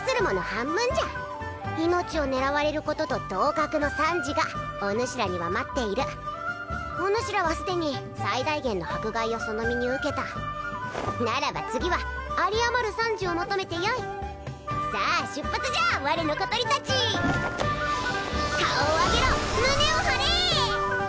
半分じゃ命を狙われることと同格の賛辞がおぬしらには待っているおぬしらはすでに最大限の迫害をその身に受けたならば次は有り余る賛辞を求めてよいさあ出発じゃ我の小鳥達顔を上げろ胸を張れ！